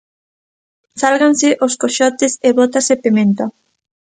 Sálganse os coxotes e bótase pementa.